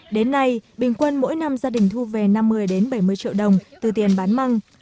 đến nay bình quân mỗi năm gia đình thu về năm mươi bảy mươi triệu đồng từ tiền bán măng